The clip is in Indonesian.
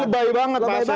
ini lebay banget pak faisal